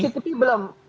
kalau cctv belum